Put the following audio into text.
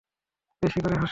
বেশি করে হাসো!